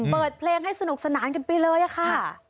เปิดเพลงให้สนุกสนานกันไปเลยค่ะ